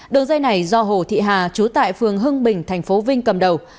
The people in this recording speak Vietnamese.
đường dây này do hồ thị hà chú tại phường hưng bình thành phố vinh cầm đầu